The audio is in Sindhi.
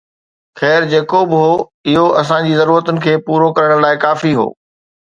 خير، جيڪو به هو، اهو اسان جي ضرورتن کي پورو ڪرڻ لاء ڪافي هو